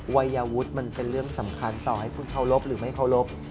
วัยวุฒิมันเป็นเรื่องสำคัญต่อให้คุณเคารพหรือไม่เคารพ